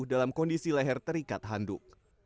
dalam kondisi leher terikat handuk